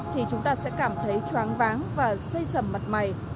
thì chúng ta sẽ cảm thấy choáng váng và dây sầm mặt mày